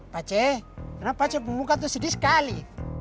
pak c kenapa pak c pembuka tuh sedih sekali